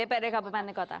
dprd kabupaten kota